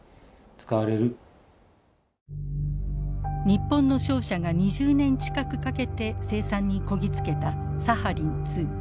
日本の商社が２０年近くかけて生産にこぎ着けたサハリン２。